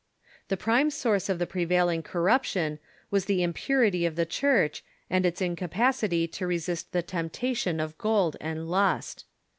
The prime source of the prevailing corruption was the impurity of the Church, and its incapacity to resist the temptation of gold and lust.